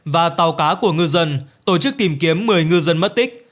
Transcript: và tàu cá của ngư dân tổ chức tìm kiếm một mươi ngư dân mất tích